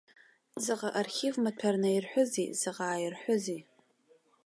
Заҟа архив маҭәар наирҳәызеи, заҟа ааирҳәызеи?